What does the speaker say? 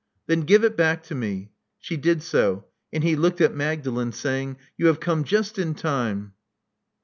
*'Tben give it back to me." She did so; and he looked at Magdalen, saying, You have come just in time."